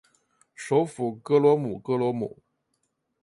首府戈罗姆戈罗姆。